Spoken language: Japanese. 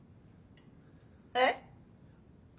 えっ？